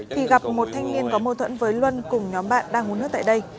thì gặp một thanh niên có mâu thuẫn với luân cùng nhóm bạn đang uống nước tại đây